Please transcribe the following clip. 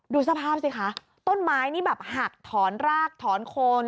ดูสภาพสิคะต้นไม้นี่แบบหักถอนรากถอนโคน